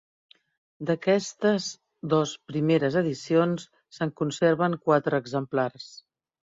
D'aquestes dos primeres edicions, se’n conserven quatre exemplars.